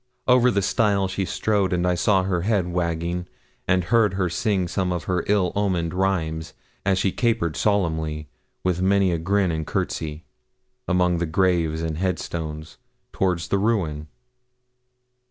Over the stile she strode, and I saw her head wagging, and heard her sing some of her ill omened rhymes, as she capered solemnly, with many a grin and courtesy, among the graves and headstones, towards the ruin.